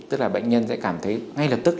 tức là bệnh nhân sẽ cảm thấy ngay lập tức